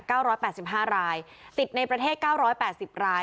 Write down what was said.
เก้าร้อยแปดสิบห้ารายติดในประเทศเก้าร้อยแปดสิบราย